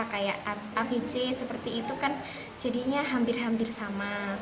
kayak abc seperti itu kan jadinya hampir hampir sama